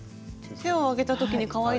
手を上げた時にかわいいですね。ね。